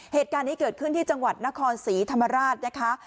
เหตุการณ์นี้เกิดขึ้นที่จังหวัดนครศรีธรรมราชนะคะ